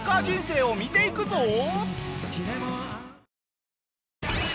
人生を見ていくぞ！